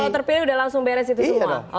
kalau terpilih udah langsung beres itu semua